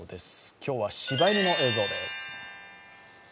今日はしば犬の映像です。